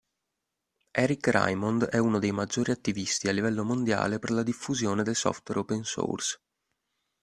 Eric Raymond è uno dei maggiori attivisti a livello mondiale per la diffusione del software open source.